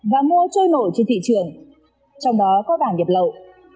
và mua trôi nổi trên thị trường trong đó có vàng nhập lậu